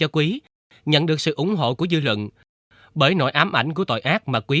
quý không nói được gì